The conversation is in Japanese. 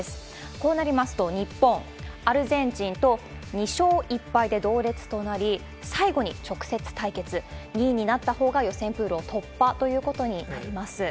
こうなりますと、日本、アルゼンチンと２勝１敗で同列となり、最後に直接対決、２位になったほうが予選プールを突破ということになります。